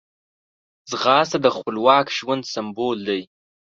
ځغاسته د خپلواک ژوند سمبول دی